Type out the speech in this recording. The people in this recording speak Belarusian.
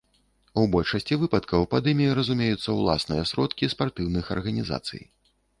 У большасці выпадкаў пад імі разумеюцца ўласныя сродкі спартыўных арганізацый.